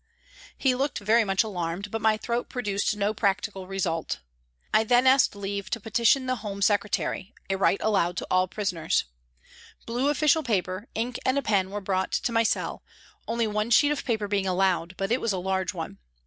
He looked very much alarmed, but my threat produced no practical result. I then asked leave to petition the Home Secretary, a right allowed to all prisoners. Blue A TRACK TO THE WATER'S EDGE " 143 official paper, ink and a pen were brought to my cell, only one sheet of paper being allowed, but it was a large one.